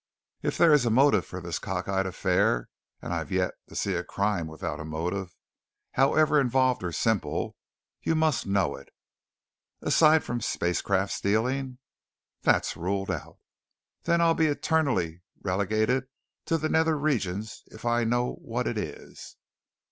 If there is a motive for this cockeyed affair and I've yet to see a crime without a motive, however involved or simple you must know it." "Aside from spacecraft stealing " "That's ruled out." "Then I'll be eternally relegated to the nether regions if I know what it is."